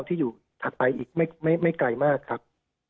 ที่อยู่ถัดไปอีกไม่ไกลมากครับ